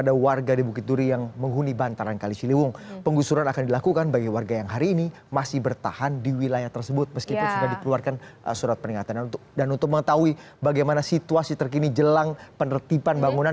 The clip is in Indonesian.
dan untuk mengetahui bagaimana situasi terkini jelang penertiban bangunan